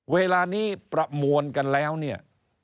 เวลานี้ประมวลกันแล้วเนี่ย